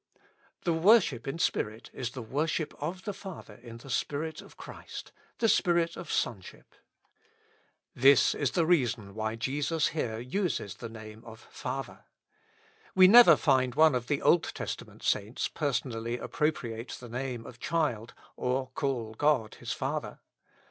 The worship in spirit is the worship of the Father in the Spirit of Christ, the Spirit of Son ship. This is the reason why Jesus here uses the name 20 With Christ in the School of Prayer. of Father. We never find one of the Old Testament saints personally appropriate the name of child or call God his Father.